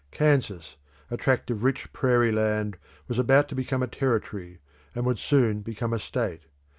Kansas, a tract of rich prairie land, was about to become a territory, and would soon become a state.